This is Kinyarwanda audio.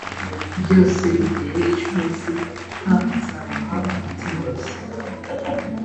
byose biteye ishozi h nzabaha umutima mushya